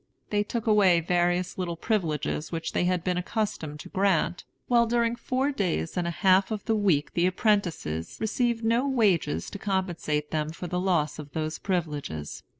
They took away various little privileges which they had been accustomed to grant; while during four days and a half of the week the apprentices received no wages to compensate them for the loss of those privileges.